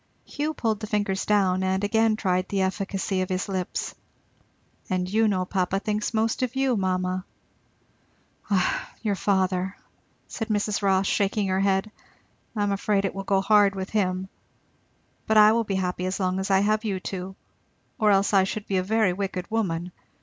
Hugh pulled the fingers down and again tried the efficacy of his lips. "And you know papa thinks most of you, mamma." "Ah, your father!" said Mrs. Rossitur shaking her head, "I am afraid it will go hard with him! But I will be happy as long as I have you two, or else I should be a very wicked woman.